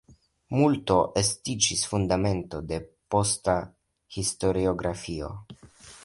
Multo estiĝis fundamento de posta historiografio.